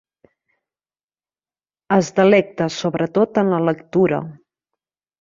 Es delecta sobretot en la lectura.